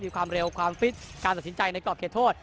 มีความเร็วความฟิตความสักสินใจในกรอบเก็บโทษ